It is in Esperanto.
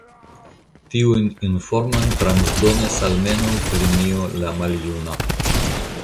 Tiujn informojn transdonis almenaŭ Plinio la Maljuna.